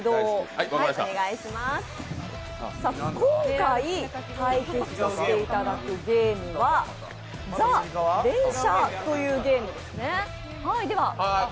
今回、対決していただくゲームは「ザ連射」というゲームですね。